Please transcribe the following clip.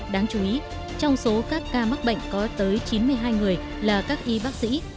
đáng chú ý trong số các ca mắc bệnh có tới chín mươi hai người là các y bác sĩ